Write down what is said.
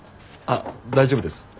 あっ大丈夫です。